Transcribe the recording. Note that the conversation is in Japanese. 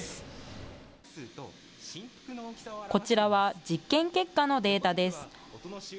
こちらは、実験結果のデータです。